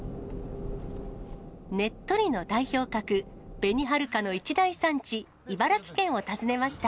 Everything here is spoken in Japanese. ねっとりの代表格、べにはるかの一大産地、茨城県を訪ねました。